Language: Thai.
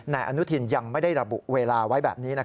นายอนุทินยังไม่ได้ระบุเวลาไว้แบบนี้